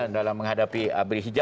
dalam menghadapi abri hijau